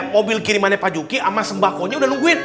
mobil kirimannya pak juki sama sembakonya udah nungguin